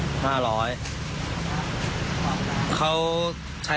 เขาปีนกระทืบเขาผักเจ๊ล้ม